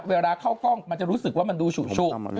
เวลาเข้ากล้องมันจะรู้สึกว่ามันดูฉุก